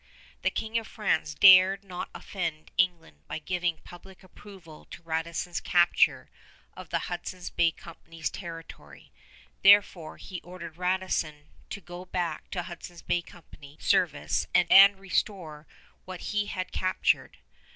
The King of France dared not offend England by giving public approval to Radisson's capture of the Hudson's Bay Company's territory; therefore he ordered Radisson to go back to Hudson's Bay Company service and restore what he had captured.